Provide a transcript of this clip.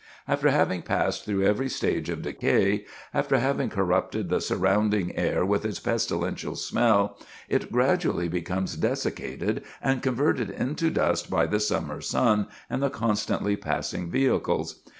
After having passed through every stage of decay, after having corrupted the surrounding air with its pestilential smell, it gradually becomes dessicated and converted into dust by the summer sun and the constantly passing vehicles.